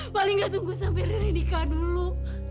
paling gak tunggu sampai ridika dulu